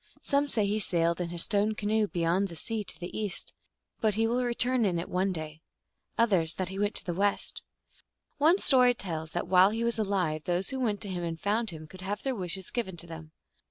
Some say he sailed away in his stone canoe beyond the sea, to the east, but he will re turn in it one day ; others, that he went to the west. One story tells that while he was alive those who went to him and found him could have their wishes given to them.